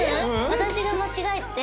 私が間違えて。